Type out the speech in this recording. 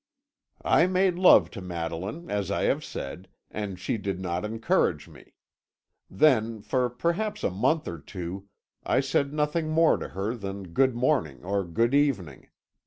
"I made love to Madeline, as I have said, and she did not encourage me. Then, for perhaps a month or two, I said nothing more to her than good morning or good evening.